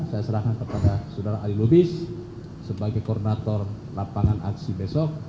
saya serahkan kepada saudara ali lubis sebagai koordinator lapangan aksi besok